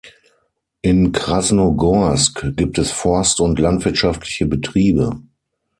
In Krasnogorsk gibt es forst- und landwirtschaftliche Betriebe.